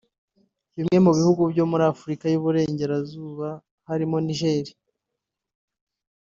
Bimwe mu bihugu byo muri Afurika y’Uburengerazuba birimo Niger